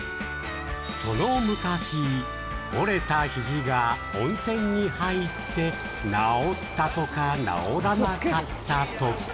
その昔、折れた肘が温泉に入って治ったとか、治らなかったとか。